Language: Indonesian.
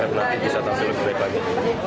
dan nanti bisa tampil lebih baik lagi